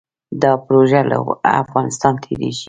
دا پروژه له افغانستان تیریږي